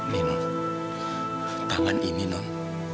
nih non tangan ini non